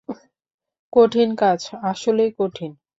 কঠিন কাজ, আসলেই কঠিন।